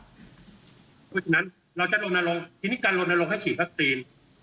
เพราะฉะนั้นเราจะลนลงทีนี้การลนลงให้ฉีดวัคซีน